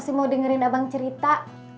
sih mau dengerin abang cerita